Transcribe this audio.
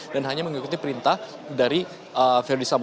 dan hanya mengikuti perintah dari verdi sabu